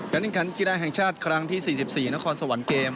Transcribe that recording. แห่งขันกีฬาแห่งชาติครั้งที่๔๔นครสวรรค์เกม